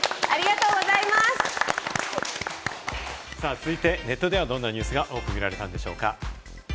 続いて、ネットではどんなニュースが多く見られたんでしょうか？